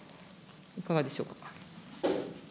いかがでしょうか。